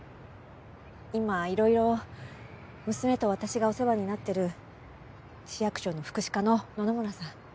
今いろいろ娘と私がお世話になってる市役所の福祉課の野々村さん。